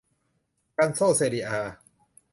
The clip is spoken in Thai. กัลโช่ เซเรีย อา